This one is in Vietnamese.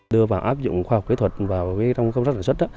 đưa vào áp dụng khoa học kỹ thuật vào trong công tác sản xuất